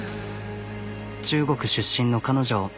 中国出身の彼女。